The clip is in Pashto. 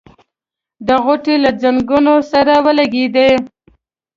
د غوټۍ له ځنګنو سره ولګېد.